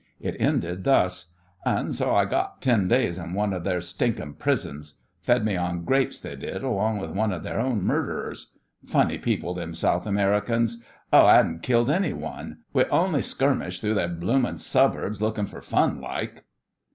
It ended thus: 'An' so I got ten days in one o' their stinkin' prisons. Fed me on grapes they did, along with one o' their own murderers. Funny people them South Americans. Oh, 'adn't killed any one. We only skirmished through their bloomin' Suburbs lookin' for fun like.